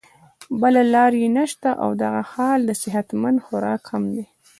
بله لار ئې نشته او دغه حال د صحت مند خوراک هم دے